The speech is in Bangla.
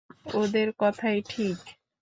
ওদের কথাই ঠিক।